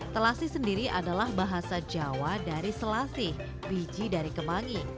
telasi sendiri adalah bahasa jawa dari selasih biji dari kemangi